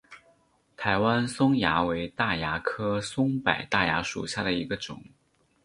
台湾松蚜为大蚜科松柏大蚜属下的一个种。